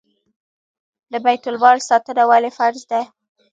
د بیت المال ساتنه ولې فرض ده؟